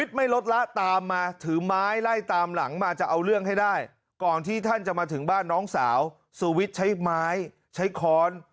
ทางบ้านน้องสาวสวิตซ์ใช้ไม้ใช้คอน